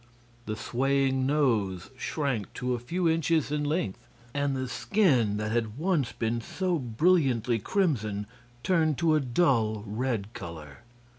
The swaying nose shrank to a few inches in length, and the skin that had once been so brilliantly crimson turned to a dull red color.